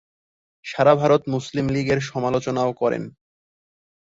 সারা ভারত মুসলিম লীগ এর সমালোচনাও করেন।